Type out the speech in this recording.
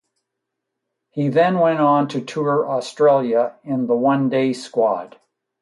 He then went on to tour Australia in the One Day squad.